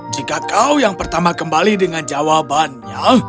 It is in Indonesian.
jika kau yang pertama kembali dengan jawabannya